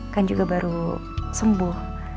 kan juga baru sembuh